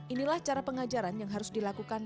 inilah cara pengajaran yang harus dilakukan